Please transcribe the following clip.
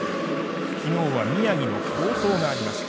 昨日は宮城の好投がありました。